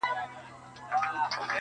هیڅ پوه نه سوم تر منځه د پېرۍ او د شباب,